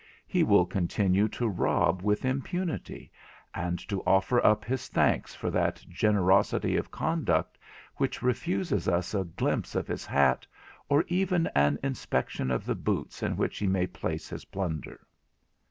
He will continue to rob with impunity, and to offer up his thanks for that generosity of conduct which refuses us a glimpse of his hat, or even an inspection of the boots in which he may place his plunder.'